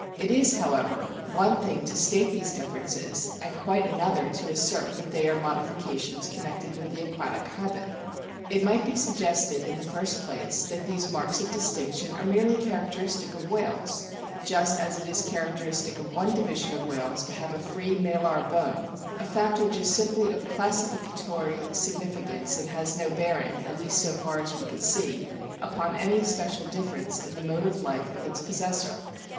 It is, however, one thing to state these differences, and quite another to assert that they are modifications connected with the aquatic habit. It might be suggested, in the first place, that these marks of distinction are merely characteristic of whales, just as it is characteristic of one division of whales to have a free malar bone, a fact which is simply of classificatory significance, and has no bearing (at least so far as we can see) upon any special difference in the mode of life of its possessor.